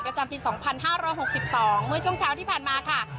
ประจำปี๒๕๖๒เมื่อช่วงเช้าที่ผ่านมาค่ะ